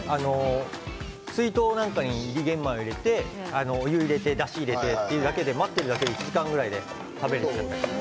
水筒に入り玄米を入れてお湯を入れてだし入れてというだけで待ってるだけで１時間ぐらいで食べられます。